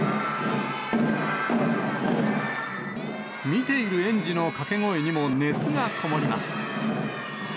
見ている園児の掛け声にも熱が込もります。